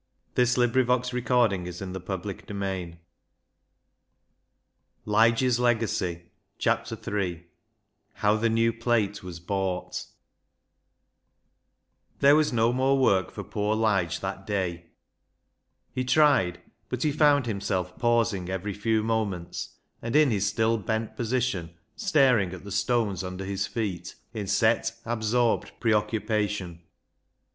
Lige's Legacy III How the New Plate was Bought asi Lige's Legacy III How the New Plate was Bought There was no more work for poor Lige that day. He tried ; but he found himself pausing every few moments, and in his still bent posi tion staring at the stones under his feet, in set, absorbed preoccupation.